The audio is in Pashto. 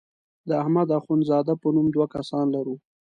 د احمد اخوند زاده په نوم دوه کسان لرو.